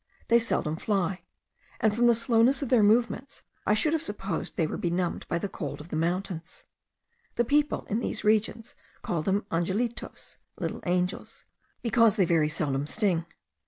They seldom fly; and, from the slowness of their movements, I should have supposed they were benumbed by the cold of the mountains. The people, in these regions, call them angelitos (little angels), because they very seldom sting.